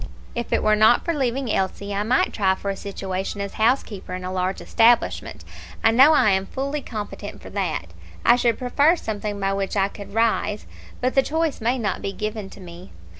"If it were not for leaving Elsie, I might try for a situation as housekeeper in a large establishment; I know I am fully competent for that. I should prefer something by which I could rise, but the choice may not be given to me.